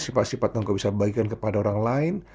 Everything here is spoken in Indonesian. sifat sifat yang kau bisa bagikan kepada orang lain